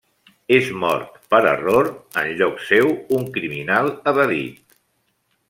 És mort per error en lloc seu un criminal evadit.